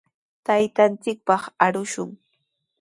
Taytanchikpaq arushun.